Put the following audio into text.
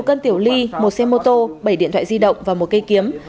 một cân tiểu ly một xe mô tô bảy điện thoại di động và một cây kiếm